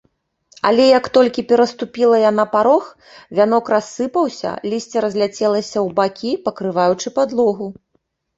Але як толькі пераступіла яна парог, вянок рассыпаўся, лісце разляцелася ў бакі, пакрываючы падлогу.